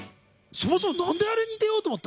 そもそもなんであれに出ようと思った？